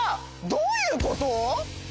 どういうこと！？